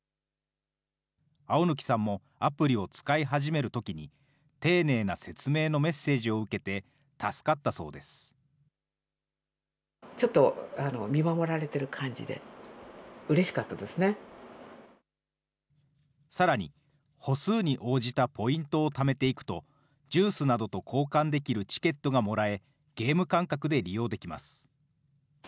青貫さんもアプリを使い始めるときに、丁寧な説明のメッセージをさらに、歩数に応じたポイントをためていくと、ジュースなどと交換できるチケットがもらえ、ゲーム感覚で利用できます。